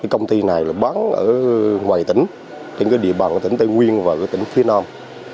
công ty này bán ở ngoài tỉnh trên địa bàn của tỉnh tây nguyên và tỉnh phía nam